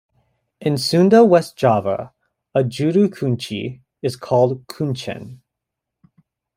In Sunda West Java a juru kunci is called kuncen.